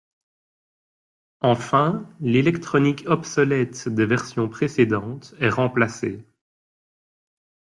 Enfin l'électronique obsolète des versions précédentes est remplacée.